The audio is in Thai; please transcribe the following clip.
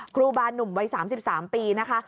ครูบาหนุ่มวัย๓๓ปีนะคะ